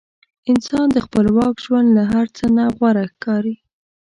انسان ته خپلواک ژوند له هر څه نه غوره ښکاري.